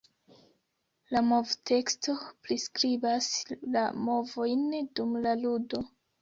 La movteksto priskribas la movojn dum la ludo.